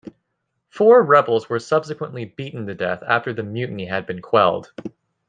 Four rebels were subsequently beaten to death after the mutiny had been quelled.